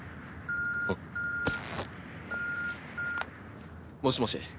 あっ。もしもし。